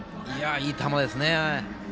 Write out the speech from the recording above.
いい球ですね。